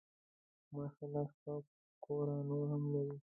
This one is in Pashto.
ماشاء الله شپږ کوره نور هم لري.